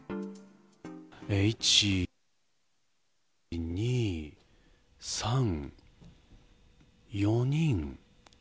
１、２、３、４人。